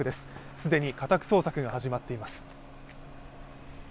既に家宅捜索が始まっています。